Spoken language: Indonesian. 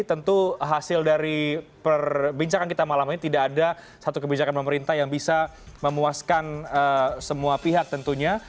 tentu hasil dari perbincangan kita malam ini tidak ada satu kebijakan pemerintah yang bisa memuaskan semua pihak tentunya